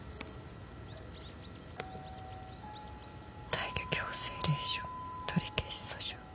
「退去強制令書取消訴訟」。